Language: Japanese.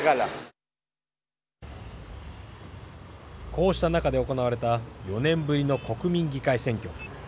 こうした中で行われた４年ぶりの国民議会選挙。